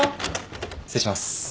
失礼します。